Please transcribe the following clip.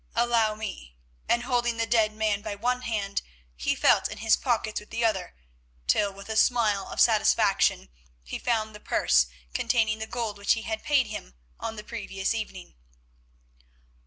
Allow me," and, holding the dead man by one hand, he felt in his pockets with the other, till, with a smile of satisfaction, he found the purse containing the gold which he had paid him on the previous evening.